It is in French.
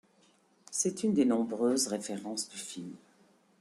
C'est une des nombreuses références du film.